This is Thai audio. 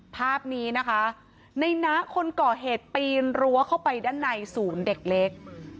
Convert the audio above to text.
ภาพนี้นะคะในนะคนก่อเหตุปีนรั้วเข้าไปด้านในศูนย์เด็กเล็ก